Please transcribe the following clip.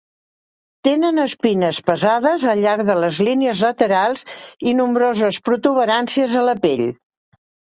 Tenen espines pesades al llarg de les línies laterals i nombroses protuberàncies a la pell.